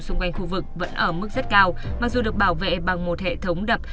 xung quanh khu vực vẫn ở mức rất cao mặc dù được bảo vệ bằng một hệ thống đập